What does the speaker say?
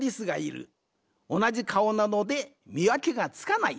おなじかおなのでみわけがつかない。